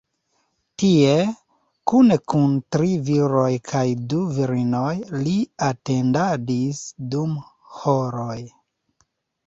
Tie, kune kun tri viroj kaj du virinoj, li atendadis dum horoj.